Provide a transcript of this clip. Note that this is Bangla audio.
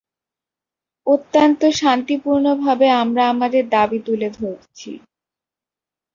অত্যন্ত শান্তিপূর্ণভাবে আমরা আমাদের দাবি তুলে ধরছি।